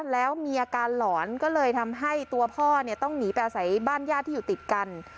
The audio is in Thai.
แล้วมีอาการหลอนก็เลยทำให้ตัวพ่อเนี่ยต้องหนีไปอาศัยบ้านญาติที่อยู่ติดกัน